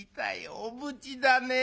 おぶちだね。